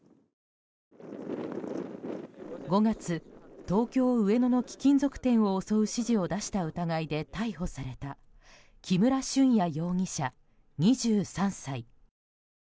５月、東京・上野の貴金属店を襲う指示を出した疑いで逮捕された木村俊哉容疑者、２３歳。